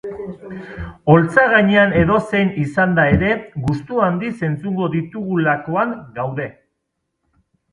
Oholtza gainean edozein izanda ere, gustu handiz entzungo ditugulakoan gaude.